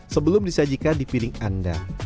sebelum disajikan di piring anda